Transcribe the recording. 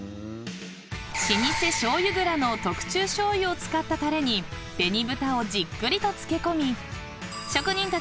［老舗醤油蔵の特注醤油を使ったたれに紅豚をじっくりと漬け込み］